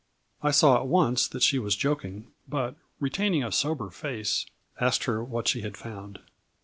I saw at once that she was joking, but retaining a sober face, asked her what she had found.